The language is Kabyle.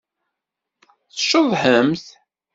Tceḍḥemt.